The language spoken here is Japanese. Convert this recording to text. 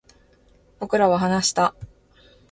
僕らは話した